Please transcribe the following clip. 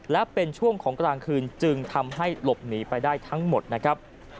และเป็นช่วงของกลางคืนจึงทำให้หลบหนีไปได้ทั้งหมดนะครับ